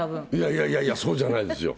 いやいやいや、そうじゃないんですよ。